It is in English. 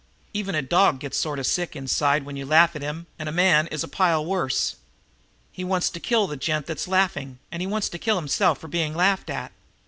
Even a dog gets sort of sick inside when you laugh at him, and a man is a pile worse. He wants to kill the gent that's laughing, and he wants to kill himself for being laughed at.